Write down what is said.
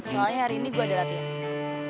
soalnya hari ini gue ada latihan